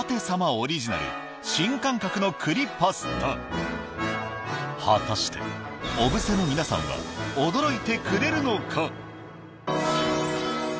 オリジナル果たして小布施の皆さんは驚いてくれるのか？